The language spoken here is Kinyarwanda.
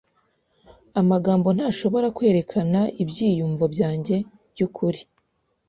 Amagambo ntashobora kwerekana ibyiyumvo byanjye byukuri.